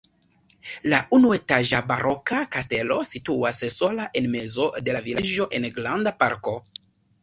La unuetaĝa baroka kastelo situas sola en mezo de la vilaĝo en granda parko.